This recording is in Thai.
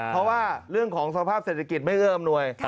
เพราะว่าเรื่องของสภาพเศรษฐกิจไม่เอื้ออำนวย